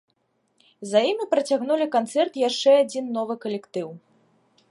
За імі працягнулі канцэрт яшчэ адзін новы калектыў.